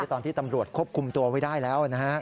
ตอนที่ตำรวจควบคุมตัวไว้ได้แล้วนะฮะ